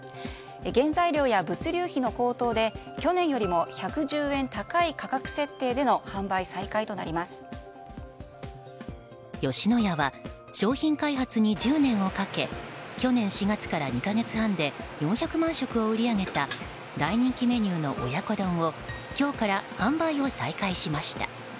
原材料や物流費の高騰で去年よりも１１０円高い価格設定での吉野家は商品開発に１０年をかけ去年４月から２か月半で４００万食を売り上げた大人気メニューの親子丼を今日から販売を再開しました。